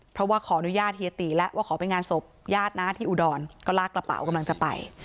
เพราะว่าขออนุญาตเฮียติแล้วว่าขอไปงานศพญาตินะที่อุดรก็ลากกระเป๋ากำลังจะไป